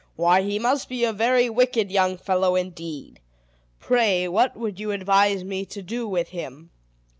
"Why, he must be a very wicked young fellow indeed! Pray, what would you advise me to do with him?"